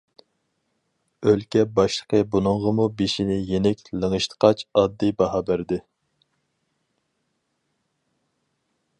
ئۆلكە باشلىقى بۇنىڭغىمۇ بېشىنى يېنىك لىڭشىتقاچ ئاددىي باھا بەردى.